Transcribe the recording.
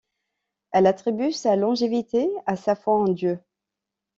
Elle attribue sa longévité à sa foi en Dieu.